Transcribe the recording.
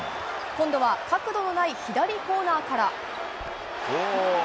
今度は角度のない左コーナーから。